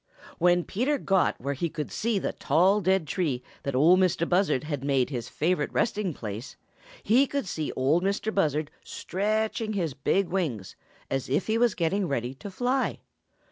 When Peter got where he could see the tall dead tree that Ol' Mistah Buzzard had made his favorite resting place, he could see Ol' Mistah Buzzard stretching his big wings, as if he was getting ready to fly.